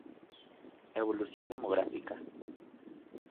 Evolución demográfica:.